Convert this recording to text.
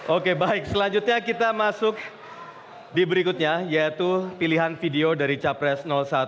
oke baik selanjutnya kita masuk di berikutnya yaitu pilihan video dari capres satu